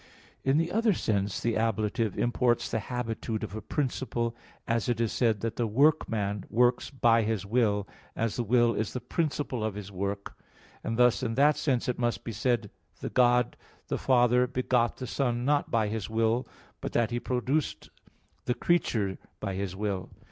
In the other sense, the ablative imports the habitude of a principle as it is said that the workman works by his will, as the will is the principle of his work; and thus in that sense it must be said the God the Father begot the Son, not by His will; but that He produced the creature by His will.